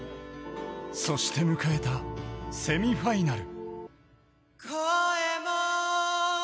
そして迎えたセミファイナル。